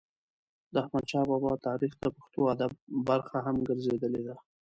د احمدشا بابا تاریخ د پښتو ادب برخه هم ګرځېدلې ده.